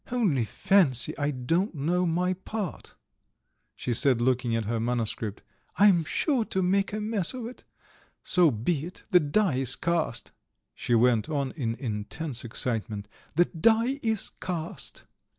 Only fancy, I don't know my part," she said, looking at her manuscript. "I am sure to make a mess of it. So be it, the die is cast," she went on in intense excitement. "The die is cast.